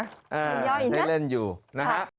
ยาวอีกนะใช่เล่นอยู่นะครับ